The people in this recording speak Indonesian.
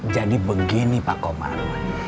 jadi begini pak kumar